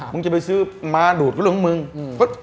มึงจะไปซื้อมาดูดเรื่องของมึง